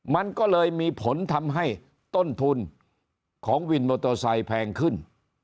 มันก็เลยมีผลทำให้ต้นทุนของวินมอเตอร์ไซค์แพงขึ้น